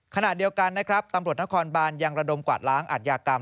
ขณะเดียวกันนะครับตำรวจนครบานยังระดมกวาดล้างอาทยากรรม